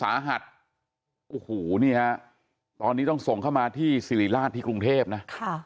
โอ้โหนี่ฮะตอนนี้ต้องส่งเข้ามาที่สิริราชที่กรุงเทพนะค่ะ